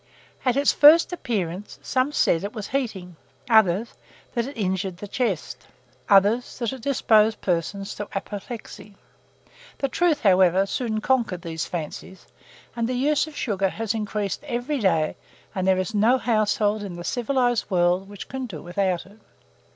At its first appearance, some said it was heating; others, that it injured the chest; others, that it disposed persons to apoplexy; the truth, however, soon conquered these fancies, and the use of sugar has increased every day, and there is no household in the civilized world which can do without it.